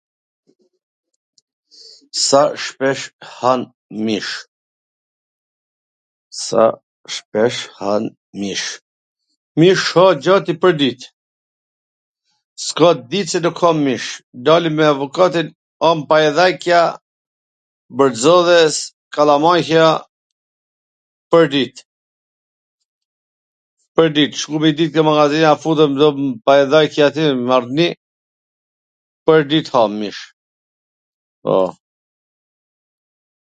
Sa shpesh han mish? Mish ha gati pwrdit, s ka dit qw nuk ha mish, dalim me avokatin, ham paidhaqa, bwrxolles, kallamaraqa, pwrdit, pwrdit, shkum njw dit te magazija, ja futwm do paidhaqa aty, pwrdit ham mish, po.